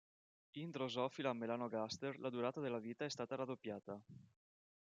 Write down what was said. In Drosophila melanogaster la durata della vita è stata raddoppiata.